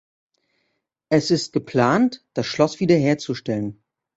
Es ist geplant, das Schloss wiederherzustellen.